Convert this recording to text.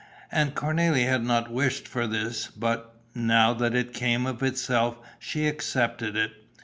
And Cornélie had not wished for this; but, now that it came of itself, she accepted it.